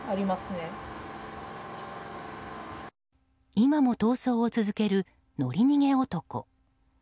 今も逃走を続ける乗り逃げ男。